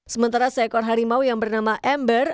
sementara seekor harimau yang bernama ember